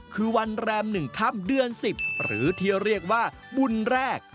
คือวันแรม๑ค่ำเดือน๑๐หรือที่เรียกว่าบุญแรก